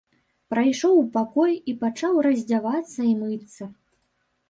Прайшоў у пакой і пачаў раздзявацца і мыцца.